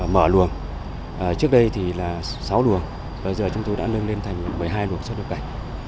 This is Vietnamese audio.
mở luồng trước đây thì là sáu luồng bây giờ chúng tôi đã lưng lên thành một mươi hai luồng xuất nhập cảnh